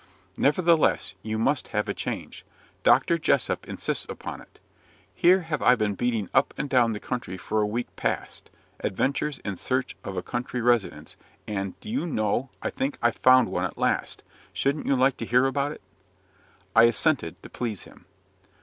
"Nevertheless, you must have a change. Doctor Jessop insists upon it. Here have I been beating up and down the country for a week past 'Adventures in Search of a Country Residence' and, do you know, I think I've found one at last. Shouldn't you like to hear about it?" I assented, to please him.